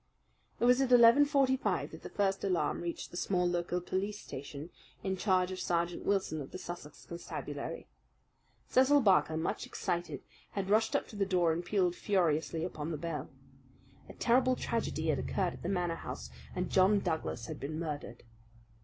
It was at eleven forty five that the first alarm reached the small local police station, in charge of Sergeant Wilson of the Sussex Constabulary. Cecil Barker, much excited, had rushed up to the door and pealed furiously upon the bell. A terrible tragedy had occurred at the Manor House, and John Douglas had been murdered.